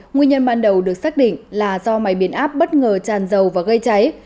nguyên nhân ban đầu được xác định là do máy biến áp bất ngờ tràn dầu và gây cháy